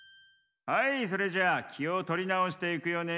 はいそれじゃきをとりなおしていくよね。